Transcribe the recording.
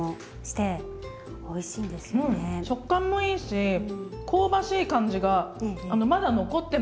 食感もいいし香ばしい感じがまだ残ってますねちゃんと。